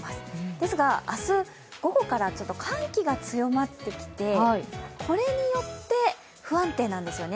ですが、明日午後からちょっと寒気が強まってきて、これによって不安定なんですよね。